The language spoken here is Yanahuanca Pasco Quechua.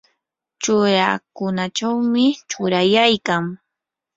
churakunachawmi churayaykan.